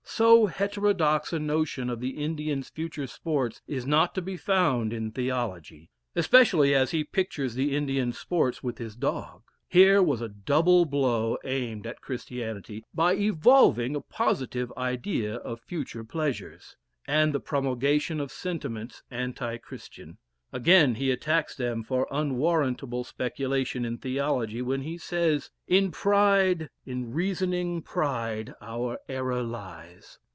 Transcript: So heterodox a notion of the Indian's future sports, is not to be found in theology, especially as he pictures the Indian's sports with his dog. Here was a double blow aimed at Christianity by evolving a "positive" idea of future pleasures, and the promulgation of sentiments anti Christian. Again he attacks them for unwarrantable speculation in theology, when he says "In pride, in reasoning pride our error lies."